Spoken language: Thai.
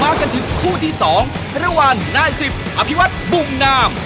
มากันถึงคู่ที่สองประธานวันนายสิบอภิวัตน์บุงนาม